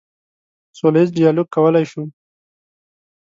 سوله ییز ډیالوګ کولی شو.